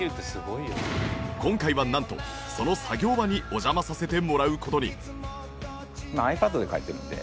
今回はなんとその作業場にお邪魔させてもらう事に。